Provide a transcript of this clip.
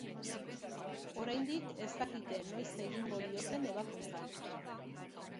Oraindik ez dakite noiz egingo dioten ebakuntza.